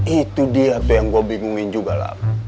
itu dia tuh yang gua bingungin juga lap